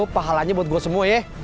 pahalanya buat gue semua ya